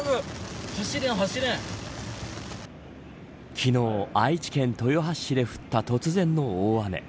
昨日、愛知県豊橋市で降った突然の大雨。